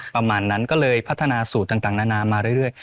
ประมาณนั้นก็เลยพัฒนาสูตรต่างนานามาเรื่อย